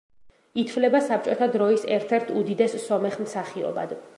ითვლება საბჭოთა დროის ერთ-ერთ უდიდეს სომეხ მსახიობად.